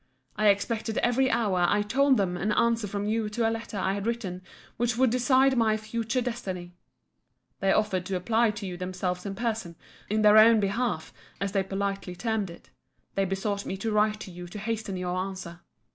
I expected every hour, I told them, an answer from you to a letter I had written, which would decide my future destiny. They offered to apply to you themselves in person, in their own behalf, as they politely termed it. They besought me to write to you to hasten your answer.